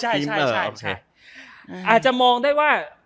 ใช่อาจจะมองได้ว่า